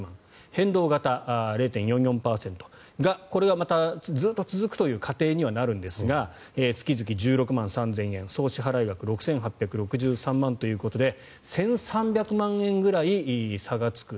変動型、０．４４％これがまた、ずっと続くという過程にはなるんですが月々１６万３０００円総支払額６８６３万円ということで１３００万円ぐらい差がつく。